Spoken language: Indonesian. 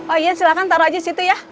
oh iya silahkan taruh aja situ ya